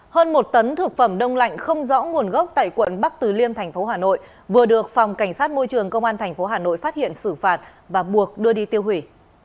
hơn một tấn thực phẩm đông lạnh không rõ nguồn gốc tại quận bắc từ liêm thành phố hà nội vừa được phòng cảnh sát môi trường công an tp hà nội phát hiện xử phạt và buộc đưa đi tiêu hủy